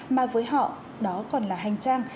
mà với họ đó còn là hành trang